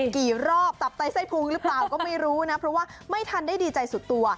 กี่รอบตับไตไส้พุงหรือเปล่าก็ไม่รู้นะเพราะว่าไม่ทันได้ดีใจสุดตัว